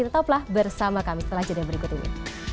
kita taplah bersama kami setelah jadinya berikut ini